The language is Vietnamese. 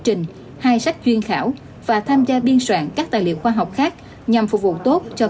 trình hai sách chuyên khảo và tham gia biên soạn các tài liệu khoa học khác nhằm phục vụ tốt cho